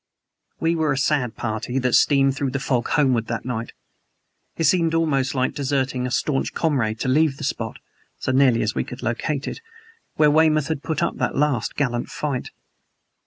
We were a sad party that steamed through the fog homeward that night. It seemed almost like deserting a staunch comrade to leave the spot so nearly as we could locate it where Weymouth had put up that last gallant fight.